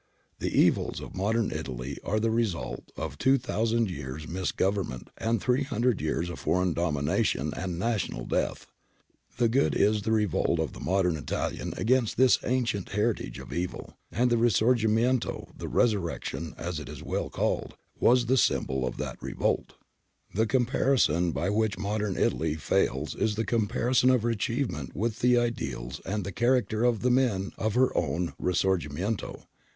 The evils of modern Italy are the result of two thousand years' misgovernment and three hundred years of foreign domination and national death. The good is the revolt of the modern Italian against this ancient heritage of evil, and the risorgimento^ the * resurrection ' as it is well called, was the symbol of that revolt. 296 GARIBALDI AND THE MAKING OF ITALY The comparison by which modern Italy fails is the comparison of her achievement with the ideals and the character of the men of her own risorgimeuto.